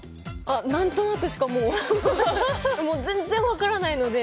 何となくしか、もう。全然分からないので。